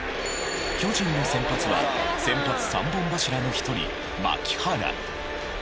巨人の先発は先発三本柱の一人槙原。